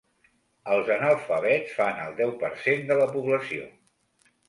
Els analfabets fan el deu per cent de la població.